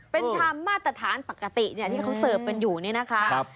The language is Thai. เป็นชามมาตรฐานปกติที่เขาเสิร์ฟกันอยู่นี่นะคะ